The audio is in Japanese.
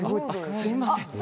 すみません